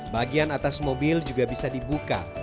bagian atas mobil juga bisa dibuka